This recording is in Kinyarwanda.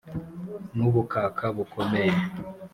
n'ubukaka bukomeye